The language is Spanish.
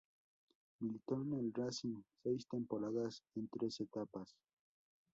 Militó en el Racing seis temporadas en tres etapas.